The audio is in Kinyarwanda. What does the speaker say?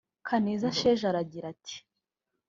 Kaneza Sheja aragira ati